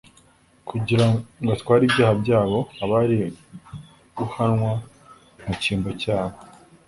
kugira ngw atwaribyaha byabo abari wuhanwa mu cyimbo cyabo